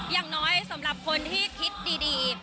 อย่างน้อยสำหรับคนที่คิดดี